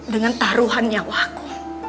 dengan taruhan nyawaku